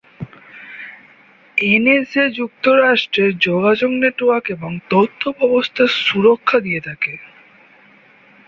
N S A যুক্তরাষ্ট্রের যোগাযোগ network এবং তথ্য ব্যবস্থার সুরক্ষা দিয়ে থাকে।